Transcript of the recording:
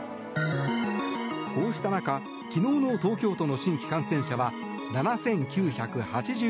こうした中、昨日の東京都の新規感染者は７９８２人。